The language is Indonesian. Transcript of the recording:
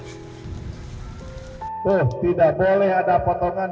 tidak boleh ada potongan